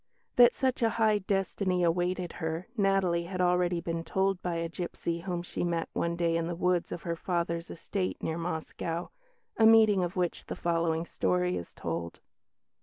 That such a high destiny awaited her, Natalie had already been told by a gipsy whom she met one day in the woods of her father's estate near Moscow a meeting of which the following story is told.